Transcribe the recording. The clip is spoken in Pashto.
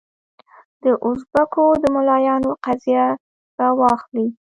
د اوزبکو د ملایانو قضیه راواخلې.